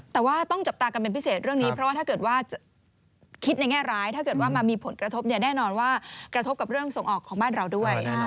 แต่ว่าต้องจับตากันเป็นพิเศษเรื่องนี้เพราะว่าถ้าเกิดว่าคิดในแง่ร้ายถ้าเกิดว่ามันมีผลกระทบเนี่ยแน่นอนว่ากระทบกับเรื่องส่งออกของบ้านเราด้วย